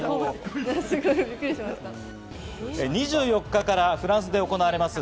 ２４日からフランスで行われます